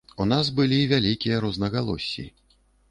У нас былі вялікія рознагалоссі.